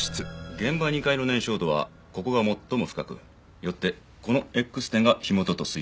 現場２階の燃焼度はここが最も深くよってこのＸ点が火元と推定できます。